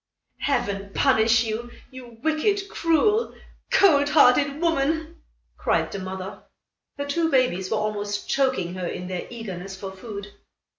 "Heaven punish you, you wicked, cruel, cold hearted woman," cried the mother. Her two babies were almost choking her in their eagerness for food.